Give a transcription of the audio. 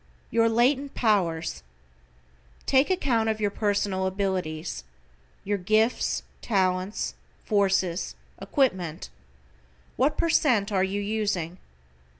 =YOUR LATENT POWERS=: Take account of your personal abilities. Your gifts, talents, forces, equipment. What per cent are you using?